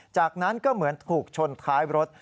จากนั้นก็เหมือนถูกชนท้ายรถ